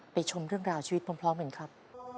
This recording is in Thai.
ไปชมเรื่องราวชีวิตพร้อมเหมือนครับ